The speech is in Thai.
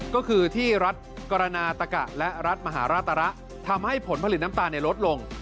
ก็คือที่รัฐกรณาตะกะและรัฐมหาราตระทำให้ผลผลิตน้ำตาลลดลง